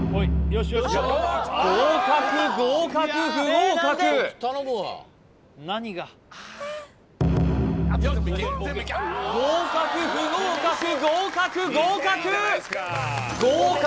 合格合格不合格合格不合格合格合格！